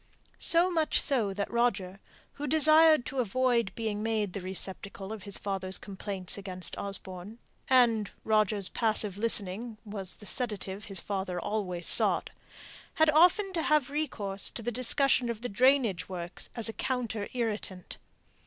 So much so that Roger, who desired to avoid being made the receptacle of his father's complaints against Osborne and Roger's passive listening was the sedative his father always sought had often to have recourse to the discussion of the drainage works as a counter irritant.